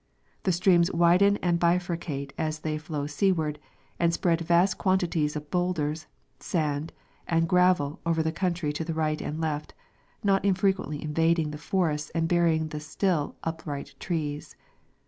The streams widen and bifurcate as they flow seaward, and spread vast quantities of bowlders, sand, and gravel over the country to the right and left, not infrequently invading ^the forests and burying the still up right trees.